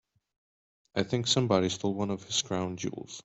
I think somebody stole one of his crown jewels.